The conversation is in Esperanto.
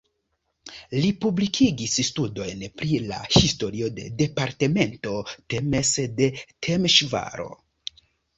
Li publikigis studojn pri la historio de departemento Temes de Temeŝvaro.